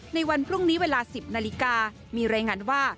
ในวันพรุ่งนี้เวลา๑๐นาฬิกามีรายงานว่า